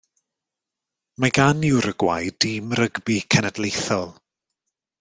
Mae gan Uruguay dîm rygbi cenedlaethol.